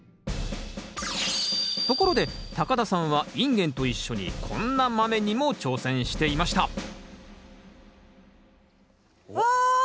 ところで田さんはインゲンと一緒にこんなマメにも挑戦していましたわ！